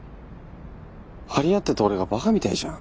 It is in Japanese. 張り合ってた俺がバカみたいじゃん。